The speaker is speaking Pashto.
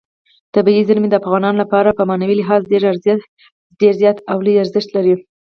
طبیعي زیرمې د افغانانو لپاره په معنوي لحاظ ډېر زیات او لوی ارزښت لري.